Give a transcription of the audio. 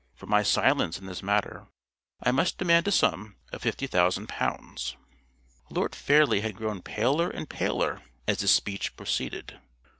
For my silence in this matter I must demand a sum of fifty thousand pounds." Lord Fairlie had grown paler and paler as this speech proceeded.